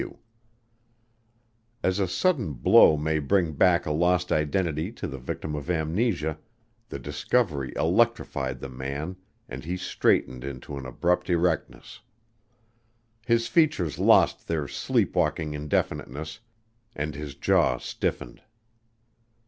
W." As a sudden blow may bring back a lost identity to the victim of amnesia the discovery electrified the man and he straightened into an abrupt erectness. His features lost their sleep walking indefiniteness and his jaw stiffened.